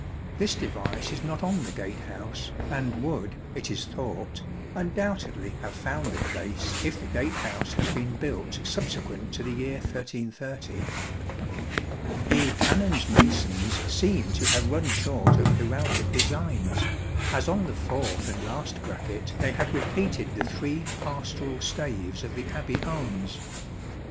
This device is not on the gate house, and would, it is thought, undoubtedly have found a place if the gate house had been built subsequent to the year 1330. The Canons' masons seem to have run short of heraldic designs, as on the fourth and last bracket they have repeated the three pastoral staves ; of the Abbey arms.